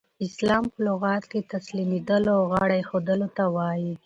اسلام په لغت کښي تسلیمېدلو او غاړه ایښودلو ته وايي.